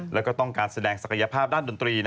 แล้วก็ต้องการแสดงศักยภาพด้านดนตรี